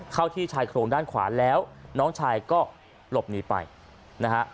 เข้าที่ชายโครงด้านขวาแล้วน้องชายก็หลบหนีไปนะฮะ